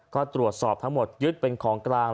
ก็ตรวจสอบทั้งหมดยึดเป็นของกลาง